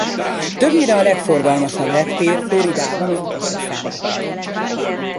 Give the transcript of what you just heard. Többnyire a legforgalmasabb reptér Floridában az utasok számát tekintve.